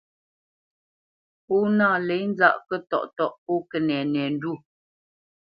Pó nâ lě nzâʼ kətɔʼtɔ́ʼ pô kənɛnɛndwó.